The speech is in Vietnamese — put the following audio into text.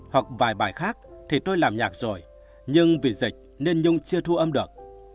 hoặc vài bài khác thì tôi làm nhạc rồi nhưng vì dịch nên nhung chưa thu âm được